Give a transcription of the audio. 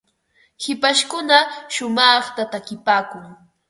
hipashkuna shumaqta takipaakun.